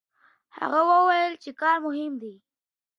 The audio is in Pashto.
هغه وویل چې کار مهم دی!